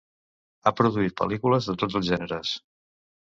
Ha produït pel·lícules de tots els gèneres.